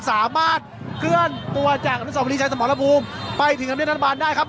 สามารถเคลื่อนตัวจากอันดุสสมภิริชัยสมรพภูมิไปถึงอันด้านบ้านได้ครับ